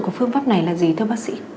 của phương pháp này là gì thưa bác sĩ